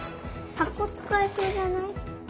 はこつかえそうじゃない？